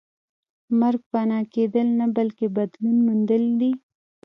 مرګ فنا کېدل نه بلکې بدلون موندل دي